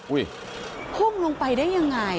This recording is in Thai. พุ่งลงไปได้ยังไง